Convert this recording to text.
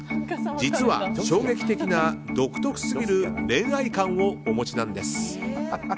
実は衝撃的な独特すぎる恋愛観をお持ちなんです。